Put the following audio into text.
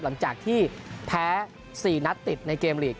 หลังจากที่แพ้๔นัดติดในเกมลีก